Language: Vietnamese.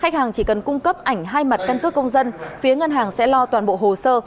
khách hàng chỉ cần cung cấp ảnh hai mặt căn cước công dân phía ngân hàng sẽ lo toàn bộ hồ sơ